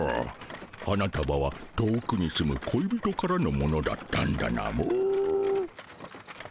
花たばは遠くに住むこい人からのものだったんだなモ。